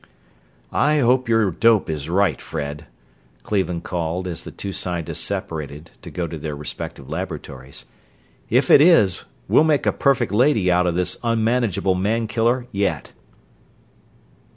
"I hope your dope is right, Fred!" Cleveland called, as the two scientists separated to go to their respective laboratories. "If it is, we'll make a perfect lady out of this unmanageable man killer yet!"